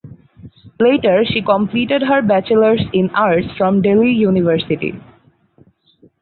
Later she completed her Bachelors in Arts from Delhi University.